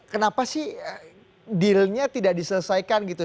kenapa sih dealnya tidak diselesaikan gitu